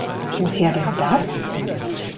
Woher denn das?